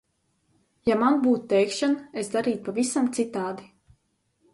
Ja man būtu teikšana, es darītu pavisam citādi.